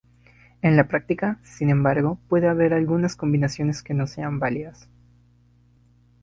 En la práctica, sin embargo, puede haber algunas combinaciones que no sean válidas.